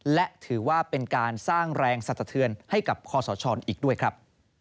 และถือว่าเป็นการสร้างแรงสันสะเทือนให้กับคอสชอีกด้วยครับ